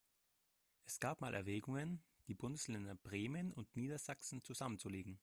Es gab mal Erwägungen, die Bundesländer Bremen und Niedersachsen zusammenzulegen.